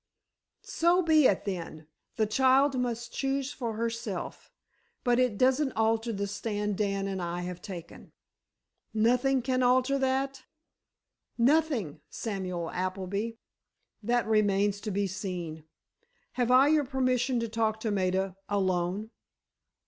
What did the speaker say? "So be it, then. The child must choose for herself. But it doesn't alter the stand Dan and I have taken." "Nothing can alter that?" "Nothing, Samuel Appleby." "That remains to be seen. Have I your permission to talk to Maida, alone?"